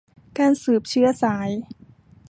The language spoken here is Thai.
การสืบเชื้อสาย